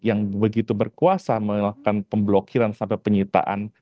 yang begitu berkuasa melakukan pemblokiran sampai penyitaan aset aset itu